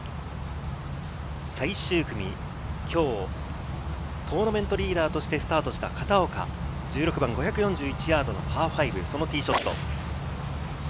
最終組、今日、トーナメントリーダーとしてスタートした片岡、１６番５４１ヤードのパー５、そのティーショット。